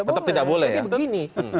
tetap tidak boleh ya